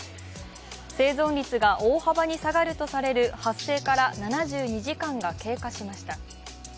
生存率が大幅に下がるとされる発生から７２時間が経過しました。